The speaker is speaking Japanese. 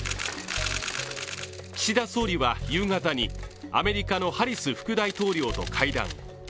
岸田総理は夕方にアメリカのハリス副大統領と会談。